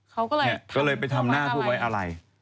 เขาก็เลยทำเขาไปทำอะไร